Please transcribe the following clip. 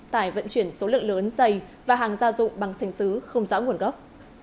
tải vận chuyển số lượng lớn dày và hàng gia dụng bằng sành xứ không rõ nguồn gốc